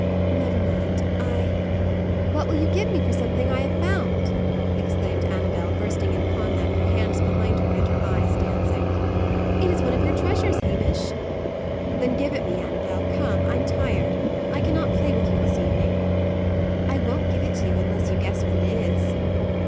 "Never mind. I " "What will you give me for something I have found?" exclaimed Annabel, bursting in upon them, her hands behind her, and her eyes dancing. "It is one of your treasures, Hamish." "Then give it me, Annabel. Come! I am tired; I cannot play with you this evening." "I won't give it you until you guess what it is."